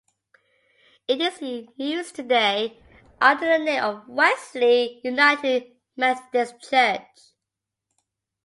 It is in use today under the name of Wesley United Methodist Church.